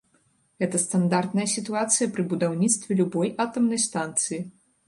Гэта стандартная сітуацыя пры будаўніцтве любой атамнай станцыі.